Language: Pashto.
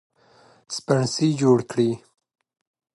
سپڼسي جوړ کړي